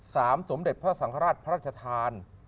สมเด็จพระสังฆราชพระราชทาน